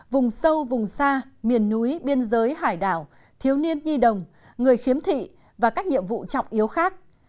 vùng sâu vùng xa miền núi biên giới hải đảo thiếu niên nhi đồng người khiếm thị và các nhiệm vụ trọng yếu khác